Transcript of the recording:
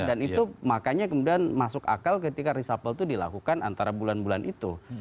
dan itu makanya kemudian masuk akal ketika riset hafal itu dilakukan antara bulan bulan itu